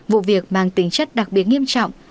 vụ việc mang tính chất đặc biệt nghiêm trọng